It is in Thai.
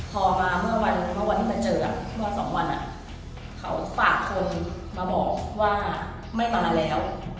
พอมาเมื่อวันที่มันเจอเมื่อสองวันเขาฝากคนมาบอกว่าไม่มาแล้ว